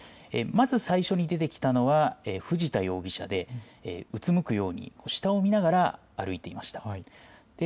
まず最初に出てきたのは藤田容疑者でうつむくように下を見ながら歩いていました。